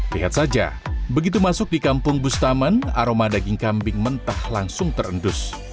lihat saja begitu masuk di kampung bustaman aroma daging kambing mentah langsung terendus